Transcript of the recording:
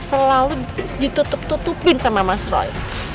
selalu ditutup tutupin sama mas roy